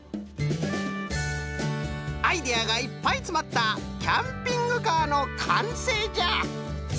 アイデアがいっぱいつまったキャンピングカーのかんせいじゃ！